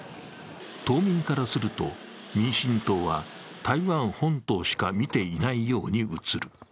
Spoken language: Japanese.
島民からすると民進党は、台湾本島しか見ていないように写る。